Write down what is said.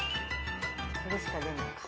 これしか出ないか。